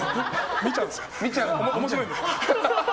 見ちゃうんですよ。